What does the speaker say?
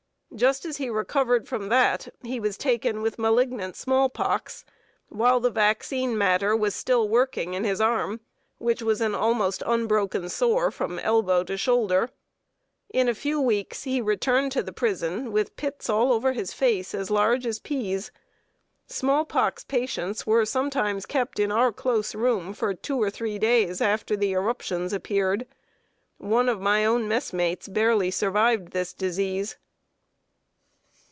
Just as he recovered from that, he was taken with malignant small pox, while the vaccine matter was still working in his arm, which was almost an unbroken sore from elbow to shoulder. In a few weeks he returned to the prison with pits all over his face as large as peas. Small pox patients were sometimes kept in our close room for two or three days after the eruptions appeared. One of my own messmates barely survived this disease.